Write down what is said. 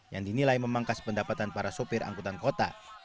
yang dinilai memangkas pendapatan para sopir angkutan kota